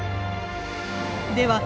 では